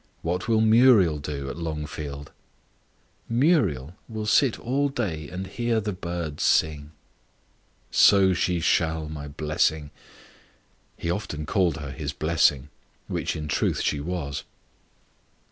"What will Muriel do at Longfield?" "Muriel will sit all day and hear the birds sing." "So she shall, my blessing!" He often called her his "blessing," which in truth she was.